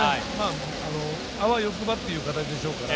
あわよくばという形でしょうか。